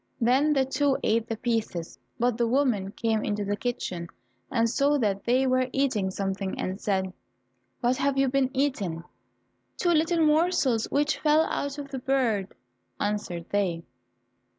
Then the two ate the pieces, but the woman came into the kitchen and saw that they were eating something and said, "What have ye been eating?" "Two little morsels which fell out of the bird," answered they.